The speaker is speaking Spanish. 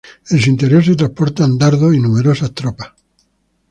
En su interior se transportan dardos y numerosas tropas.